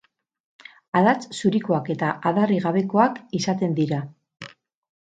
Adats zurikoak eta adarrik gabekoak izaten dira.